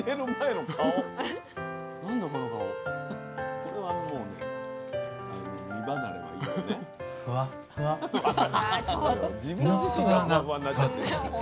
これはもうね身離れはいいよね。